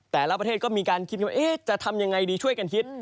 แต่ละประเทศก็มีการคิดกันว่าจะทำยังไงดีช่วยกันคิด